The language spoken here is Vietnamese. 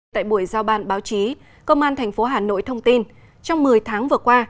tại buổi giao ban báo chí công an thành phố hà nội thông tin trong một mươi tháng vừa qua